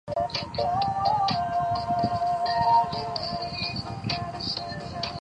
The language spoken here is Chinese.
匈牙利安茄王朝自此结束。